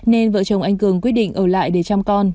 nên vợ chồng anh cường quyết định ở lại để chăm con